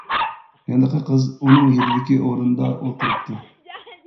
ھېلىقى قىز ئۇنىڭ يېنىدىكى ئورۇندا ئولتۇرۇپتۇ.